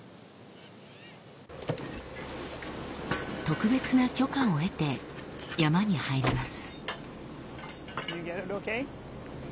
特別な許可を得て山に入ります。